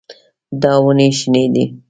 دا ونې شنې دي.